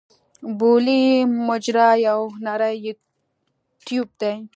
بولي مجرا یو نری ټیوب دی.